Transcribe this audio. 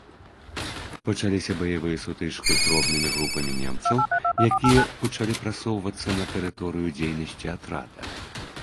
Пачаліся баявыя сутычкі з дробнымі групамі немцаў, якія пачалі прасоўвацца на тэрыторыю дзейнасці атрада.